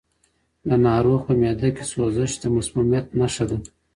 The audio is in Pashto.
د ناروغ په معده کې سوزش د مسمومیت نښه ده.